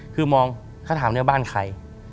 คือมองถ้าถามเนี่ยบ้านใคร